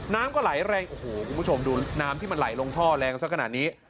น้ำก็ไหลแรงโอ้โหคุณผู้ชมดูน้ำที่มันไหลลงท่อแรงสักขนาดนี้